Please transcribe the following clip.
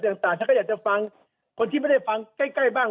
แล้วก็ถามแต่ละคนแล้วก็ฟังจากที่กระทรวงต่าง